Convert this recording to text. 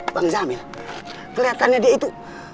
bang jamil kelihatannya dia itu